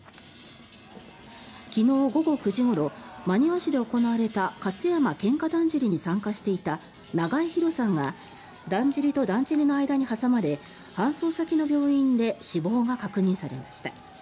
昨日午後９時ごろ真庭市で行われた勝山喧嘩だんじりに参加していた長江比呂さんがだんじりとだんじりの間に挟まれ搬送先の病院で死亡が確認されました。